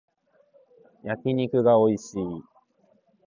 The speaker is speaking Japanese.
焼き肉がおいしい